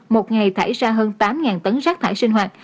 một ngày thải ra hơn tám tấn rác thải sinh hoạt